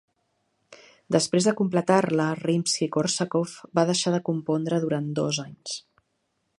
Després de completar-la, Rimski-Kórsakov va deixar de compondre durant dos anys.